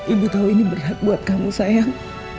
ibu tahu ini berat buat kamu sayang